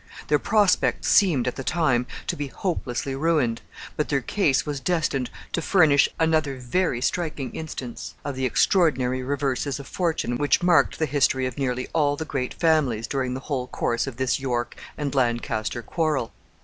Their prospects seemed, at the time, to be hopelessly ruined, but their case was destined to furnish another very striking instance of the extraordinary reverses of fortune which marked the history of nearly all the great families during the whole course of this York and Lancaster quarrel.